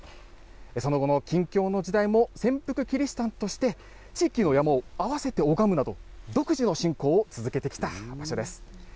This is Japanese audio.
その後の禁教の時代も、潜伏キリシタンとして、地域の山を合わせて拝むなど独自の信仰を続けてきた場所です。